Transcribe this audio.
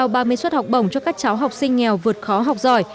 trao ba mươi suất học bổng cho các cháu học sinh nghèo vượt khó học giỏi